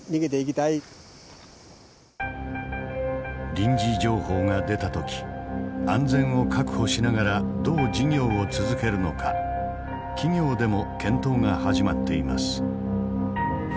臨時情報が出た時安全を確保しながらどう事業を続けるのか企業でも検討が始まっています。